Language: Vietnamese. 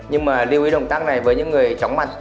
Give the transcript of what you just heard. nhưng mà lưu ý động tác này với những người chóng mặt